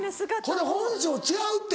これ本性違うって。